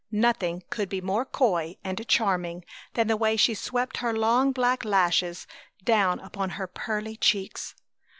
Nothing could be more coy and charming than the way she swept her long black lashes down upon her pearly cheeks.